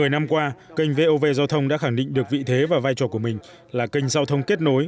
một mươi năm qua kênh vov giao thông đã khẳng định được vị thế và vai trò của mình là kênh giao thông kết nối